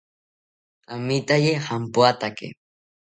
Amitaye jampoatake